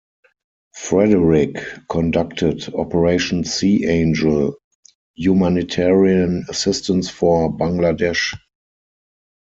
"Frederick" conducted Operation Sea Angel, humanitarian assistance for Bangladesh.